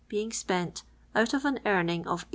being spent out of an earning of 18«.